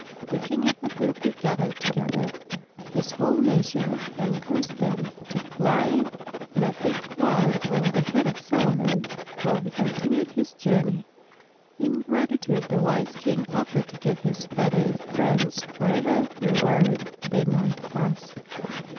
The King of the Hoopoes gathered together his whole nation and caused them to fly in a thick cloud over the head of Solomon while he continued his journey. In gratitude the wise King offered to give his feathered friends whatever reward they might ask.